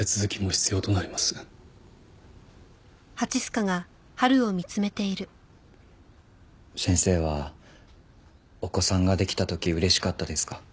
先生はお子さんができた時嬉しかったですか？